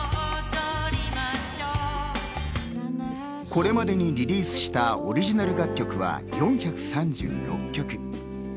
これまでにリリースしたオリジナル楽曲は４３６曲。